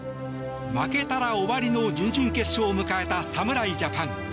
負けたら終わりの準々決勝を迎えた侍ジャパン。